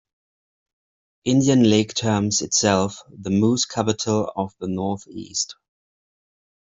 Indian Lake terms itself the "Moose capital of the Northeast.